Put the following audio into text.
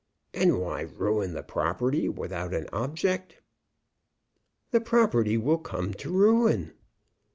"And why ruin the property without an object?" "The property will come to ruin."